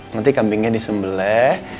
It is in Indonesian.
nanti kambingnya disembelah